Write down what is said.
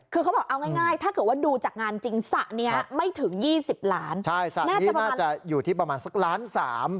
คือเขาบอกเอาง่ายถ้าเกิดว่าดูจากงานจริงสระนี้ไม่ถึงยี่สิบล้านใช่สระนี้น่าจะอยู่ที่ประมาณสักล้านสาม